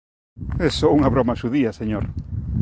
É só unha broma xudía, señor.